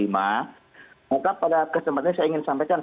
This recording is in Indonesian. maka pada kesempatan ini saya ingin sampaikan